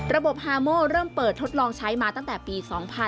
ฮาโมเริ่มเปิดทดลองใช้มาตั้งแต่ปี๒๕๕๙